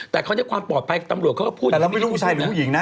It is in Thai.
แต่คราวนี้ความปลอดภัยตำรวจเขาก็พูดแต่เราไม่รู้ผู้ชายหรือผู้หญิงนะ